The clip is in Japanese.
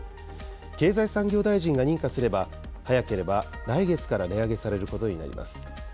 経済産業大臣が認可すれば、早ければ来月から値上げされることになります。